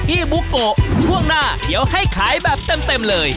บุโกะช่วงหน้าเดี๋ยวให้ขายแบบเต็มเลย